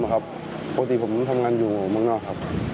และผมก็วิ่งขึ้นไปข้างบนแม่บ้านนะครับ